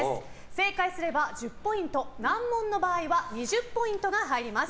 正解すれば１０ポイント難問の場合は２０ポイントが入ります。